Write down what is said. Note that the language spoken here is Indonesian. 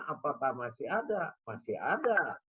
apakah masih ada masih ada